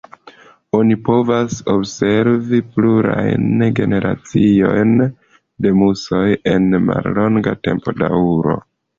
Oni povas observi plurajn generaciojn de musoj en mallonga tempodaŭro.